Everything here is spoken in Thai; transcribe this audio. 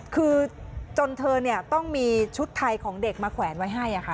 คือจนเธอต้องมีชุดไทยของเด็กมาแขวนไว้ให้ค่ะ